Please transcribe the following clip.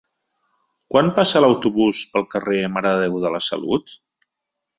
Quan passa l'autobús pel carrer Mare de Déu de la Salut?